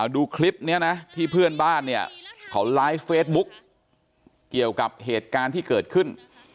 ดูคลิปนี้นะที่เพื่อนบ้านเนี่ยเขาไลฟ์เฟซบุ๊กเกี่ยวกับเหตุการณ์ที่เกิดขึ้น